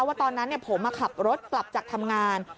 ว่าตอนนั้นผมขับรถกลับจากทำงาน